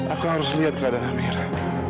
aku harus lihat keadaan amira